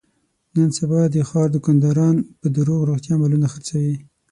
نن سبا د ښاردوکانداران په دروغ رښتیا مالونه خرڅوي.